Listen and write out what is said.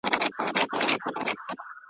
د فکري استقلال ساتونکی